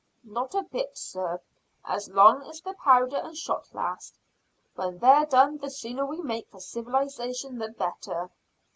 "Not a bit, sir, as long as the powder and shot last. When they're done the sooner we make for civilisation the better."